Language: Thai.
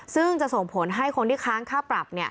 ซึ่งจะส่งผลให้คนที่ค้างค่าปรับ